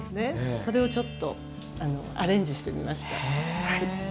それをちょっとアレンジしてみました。